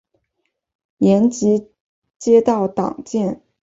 延吉街道党建